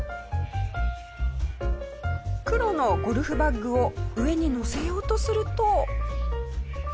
黒のゴルフバッグを上に載せようとすると。